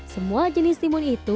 semua jenis timun itu